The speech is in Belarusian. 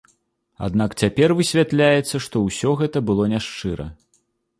Аднак цяпер высвятляецца, што ўсё гэта было няшчыра.